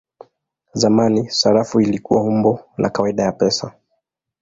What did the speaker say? Zamani sarafu ilikuwa umbo la kawaida ya pesa.